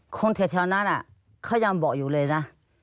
คนแถวนั้นเขายังบอกอยู่เลยนะ